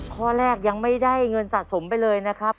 ข้อแรกยังไม่ได้เงินสะสมไปเลยนะครับ